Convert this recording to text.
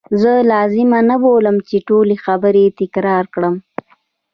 زه لازمه نه بولم چې ټولي خبرې تکرار کړم.